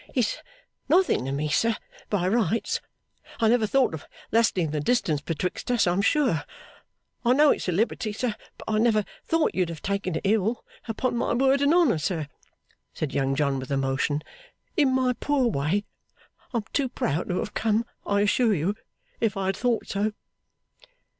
'It's nothing to me, sir, by rights. I never thought of lessening the distance betwixt us, I am sure. I know it's a liberty, sir, but I never thought you'd have taken it ill. Upon my word and honour, sir,' said Young John, with emotion, 'in my poor way, I am too proud to have come, I assure you, if I had thought so.